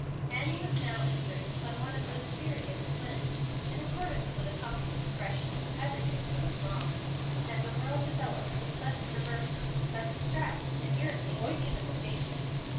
Annie was now entering upon one of those periods when, in accordance with a common expression, "everything goes wrong," and the world develops a sudden perverseness that distracts and irritates even the patient.